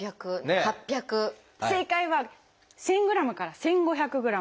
正解は１，０００ｇから１，５００ｇ。